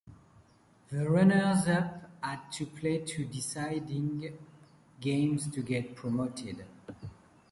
The runners-up had to play two deciding games to get promoted.